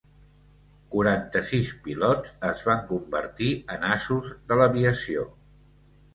Quaranta sis pilots es van convertir en asos de l'aviació.